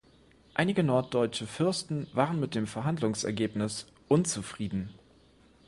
Einige norddeutsche Fürsten waren mit dem Verhandlungsergebnis unzufrieden.